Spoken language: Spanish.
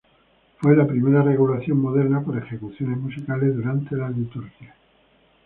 Fue la primera regulación moderna para ejecuciones musicales durante la liturgia.